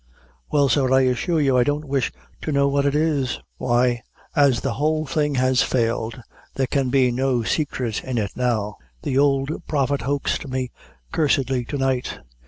"Well, sir, I assure you I don't wish to know what it is." "Why, as the whole thing has failed there, can be no great secret in it now. The old Prophet hoaxed me cursedly to night.